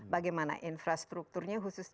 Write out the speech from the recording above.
bagaimana infrastrukturnya khususnya